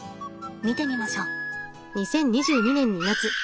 見てみましょう。